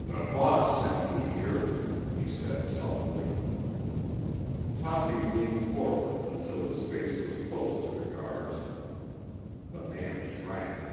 "The boss sent me here," he said sullenly. Toppy leaned forward until his face was close to the guard's. The man shrank.